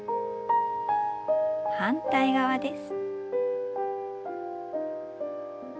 反対側です。